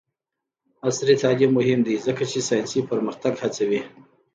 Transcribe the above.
عصري تعلیم مهم دی ځکه چې ساینسي پرمختګ هڅوي.